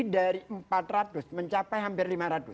dari empat ratus mencapai hampir lima ratus